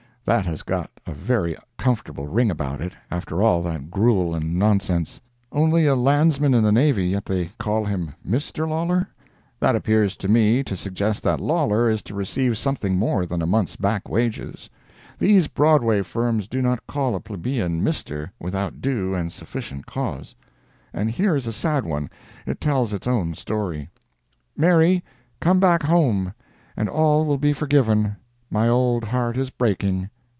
That has got a very comfortable ring about it, after all that gruel and nonsense. Only a landsman in the Navy, yet they call him "Mr." Lawler? That appears to me to suggest that Lawler is to receive something more than a month's back wages. These Broadway firms do not call a plebeian Mr. without due and sufficient cause. And here is a sad one; it tells its own story: "MARY—COME BACK HOME, AND ALL WILL BE FORGIVEN. My old heart is breaking.